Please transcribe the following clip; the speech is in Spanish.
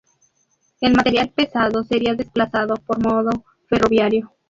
El material pesado sería desplazado por modo ferroviario.